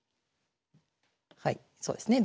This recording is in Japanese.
はいそうですね。